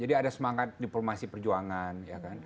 jadi ada semangat diplomasi perjuangan